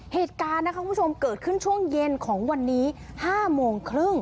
เหตุการณ์นะคุณผู้ชมเกิดขึ้นช่วงเย็นของวันนี้๕๓๐น